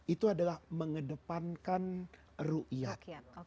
itu adalah mengedepankan ruqyat